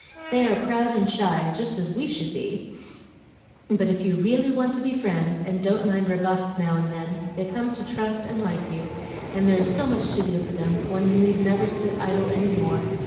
They are proud and shy, just as we should be but if you REALLY want to be friends and don't mind rebuffs now and then, they come to trust and like you, and there is so much to do for them one never need sit idle any more.